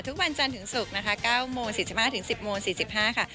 ทุกวันจันทร์ถึงศุกร์นะคะ๙โมง๔๕นาทีถึง๑๐โมง๔๕นาทีค่ะ